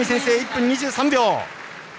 １分２３秒。